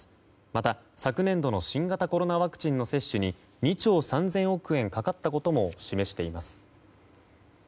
また昨年度の新型コロナワクチンの接種に２兆３０００億円かかったことも示しています。